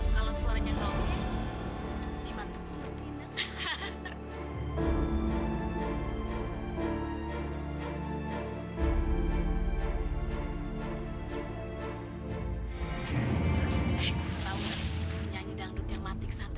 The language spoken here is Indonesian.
kamu pergi ke rumah pak wiryung kan